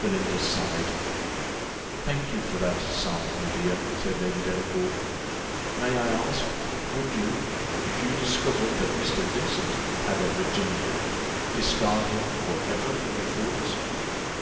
Belinda sighed. "Thank you for that sigh, my dear," said Lady Delacour. "May I ask, would you, if you discovered that Mr. Vincent had a Virginia, discard him for ever from your thoughts?"